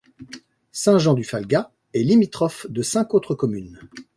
Saint-Jean-du-Falga est limitrophe de cinq autres communes.